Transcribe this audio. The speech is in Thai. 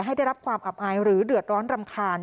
ได้รับความอับอายหรือเดือดร้อนรำคาญ